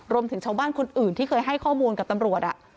รวมถึงชาวบ้านคนอื่นที่เคยให้ข้อมูลกับตำรวจ